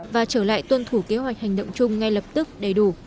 và trở lại tuân thủ kế hoạch hành động chung ngay lập tức đầy đủ